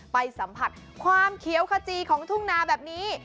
ไปสัมผัสความเขียวขจีของทุ่งนาแบบนี้